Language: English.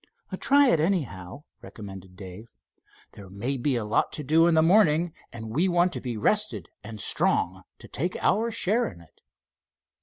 "Try it, anyhow," recommended Dave. "There may be a lot to do in the morning, and we want to be rested and strong to take our share in it."